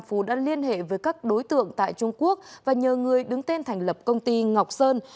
phú đã liên hệ với các đối tượng tại trung quốc và nhờ người đứng tên thành lập công ty ngọc sơn